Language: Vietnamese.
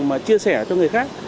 mà chia sẻ cho người khác